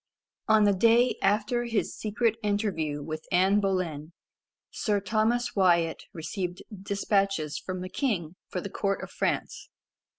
On the day after his secret interview with Anne Boleyn, Sir Thomas Wyat received despatches from the king for the court of France.